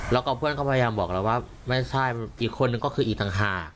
แล้วก็เพื่อนก็พยายามบอกเราว่าไม่ใช่อีกคนนึงก็คืออีกต่างหาก